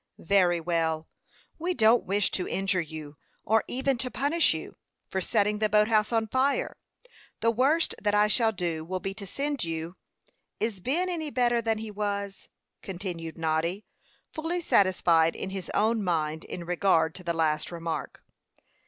"Very well. We don't wish to injure you, or even to punish you, for setting the boat house on fire. The worst that I shall do will be to send you " "Is Ben any better than he was?" continued Noddy, fully satisfied in his own mind in regard to the last remark.